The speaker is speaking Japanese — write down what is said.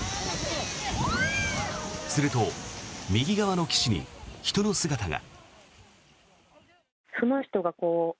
すると、右側の岸に人の姿が。